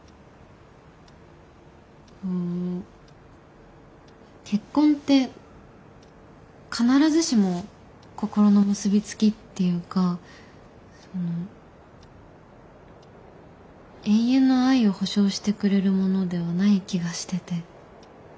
うん結婚って必ずしも心の結び付きっていうか永遠の愛を保証してくれるものではない気がしてて。